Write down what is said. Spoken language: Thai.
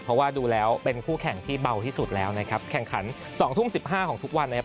เพราะว่าดูแล้วเป็นคู่แข่งที่เบาที่สุดแล้วนะครับแข่งขัน๒ทุ่ม๑๕ของทุกวันนะครับ